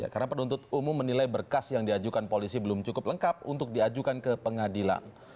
karena penuntut umum menilai berkas yang diajukan polisi belum cukup lengkap untuk diajukan ke pengadilan